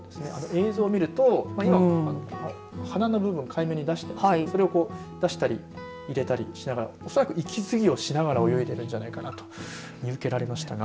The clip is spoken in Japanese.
映像を見ると鼻の部分を海面に出していますがこれを出したり入れたりしながらおそらく、息つぎをしながら泳いでいるんじゃないかなと見受けられましたが。